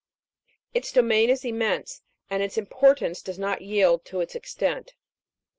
Its domain is immense, and its importance does not yield to its extent.